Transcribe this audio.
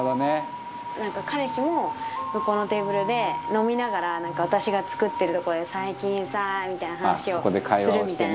なんか彼氏も向こうのテーブルで飲みながらなんか私が作ってるとこで「最近さ」みたいな話をするみたいななんか。